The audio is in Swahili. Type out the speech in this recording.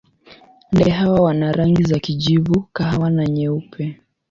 Ndege hawa wana rangi za kijivu, kahawa na nyeupe.